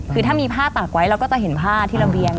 คือถ้ามีผ้าตากไว้เราก็จะเห็นผ้าที่ระเบียง